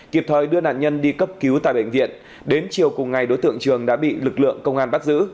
kịp thời đưa nạn nhân đi cấp cứu tại bệnh viện đến chiều cùng ngày đối tượng trường đã bị lực lượng công an bắt giữ